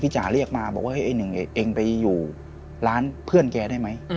จ๋าเรียกมาบอกว่าไอ้หนึ่งเองไปอยู่ร้านเพื่อนแกได้ไหม